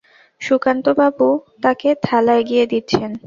সুধাকান্তবাবু তাঁকে থালা এগিয়ে দিচ্ছেন।